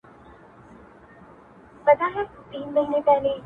له ازل څخه یې لار نه وه میندلې-